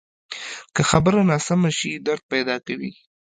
که خبره ناسمه شي، درد پیدا کوي